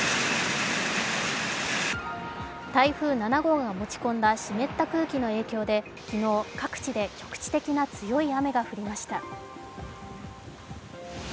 台風７号が持ち込んだ湿った空気の影響で昨日、各地で局地的な強い雨が降りました。